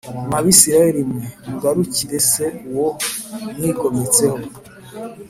Mwa Bisirayeli mwe mugarukirec Uwo mwigometseho